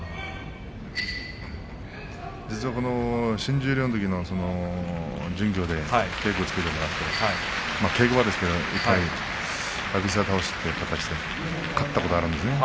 実は新十両のときの巡業で稽古をつけてもらって稽古場ですけど浴びせ倒しという形で勝ったことがあるんですね。